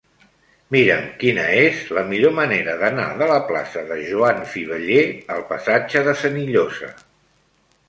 Mira'm quina és la millor manera d'anar de la plaça de Joan Fiveller al passatge de Senillosa.